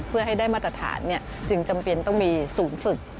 เพื่อให้ได้มาตรฐานจึงจำเป็นต้องมีศูนย์ฝึก